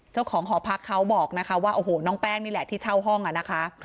เจ้าของหอพักเขาบอกนะคะว่าโอ้โหน้องแป้งนี่แหละที่เช่าห้องอะนะคะ